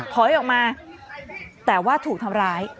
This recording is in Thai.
ถอยออกมาแต่ว่าถูกทำร้าย